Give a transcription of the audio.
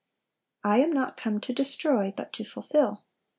" 'I am not come to destroy, but to fulfil.